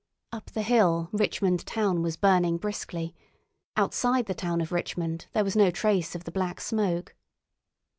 Up the hill Richmond town was burning briskly; outside the town of Richmond there was no trace of the Black Smoke.